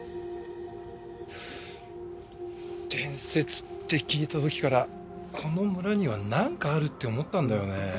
伝説って聞いた時からこの村にはなんかあるって思ったんだよね。